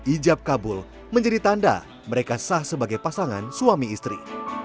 ijab kabul menjadi tanda mereka sah sebagai pasangan suami istri